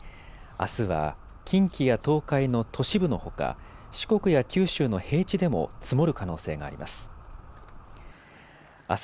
あすは近畿や東海の都市部のほか四国や九州の平地でも積もる可能性があります。